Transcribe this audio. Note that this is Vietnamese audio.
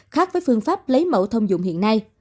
khác với phương pháp lấy mẫu thông dụng hiện nay